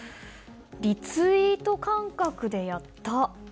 リツイート感覚でやった。